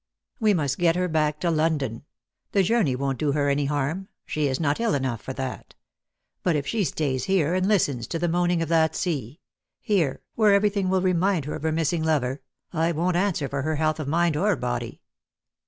"We must get her back to London. The journey won't do her any harm — she is not ill enough for that. But if she stays here, and listens to the moaning of that sea — here, where everything will remind her of her missing lover — I won't answer for her health of mind or body.